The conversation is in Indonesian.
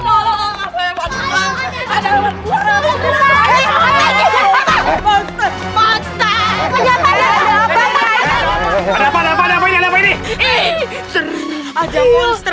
apa apalah must quarter guys